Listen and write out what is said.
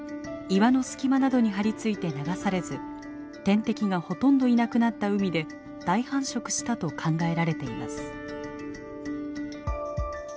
岩の隙間などに張り付いて流されず天敵がほとんどいなくなった海で大繁殖したと考えられています。